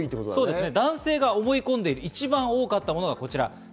男性の思い込んでいる一番多かったものがこちら。